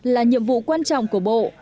là nhiệm vụ quan trọng của bộ